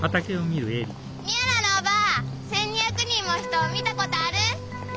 宮良のおばぁ１，２００人も人見たことある？